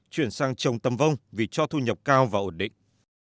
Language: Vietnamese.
chuyển sang trồng tầm vông vì cho thu nhập cao và ổn định